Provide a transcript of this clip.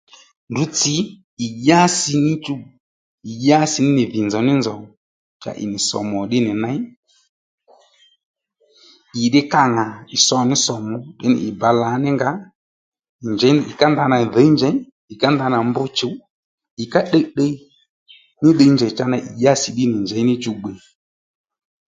Ndrǔ tsǐ ì dyási níchú ì dyási nì dhì nzòw ní nzòw cha ì nì sòmù ò nì ddí nì ney ì ddí kâ ŋà ì ddí sǒ ní sòmù ndaní ì bǎ lǎnànínga i njěy ì ká ndanà dhǐ njèy ì ká ndanà mb chùw ì ká tdiytdiy ní ddiy njèy cha ì dyási ddí nì njěy ní chú gbè